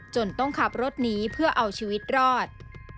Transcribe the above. ต้องขับรถหนีเพื่อเอาชีวิตรอด